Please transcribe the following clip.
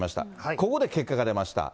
ここで結果が出ました。